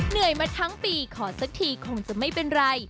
เหนื่อยมาทั้งปีขอสักทีคงจะไม่เป็นไร